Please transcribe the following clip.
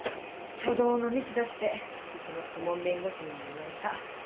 初動のミスだってうちの顧問弁護士にも言われた。